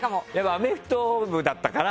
アメフト部だったから。